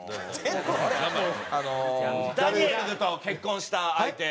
ダニエルズと結婚した相手。